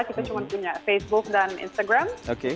kita cuma punya facebook dan instagram